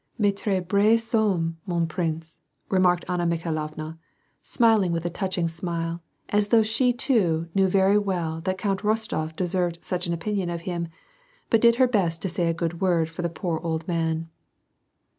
♦ "Mats fres brave ho mi fie, mon 2)rinve/^ remarked Anna Mikhailovna, smiling with a touching smile, as though she too, knew very well that Count liostof deserved such an opinion of him, but did her best to say a good word for the poor old man.